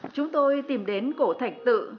chúng tôi tìm đến cổ thạch tự